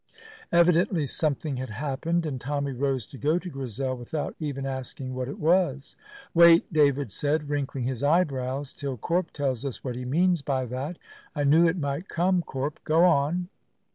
Evidently something had happened, and Tommy rose to go to Grizel without even asking what it was. "Wait," David said, wrinkling his eyebrows, "till Corp tells us what he means by that. I knew it might come, Corp. Go on."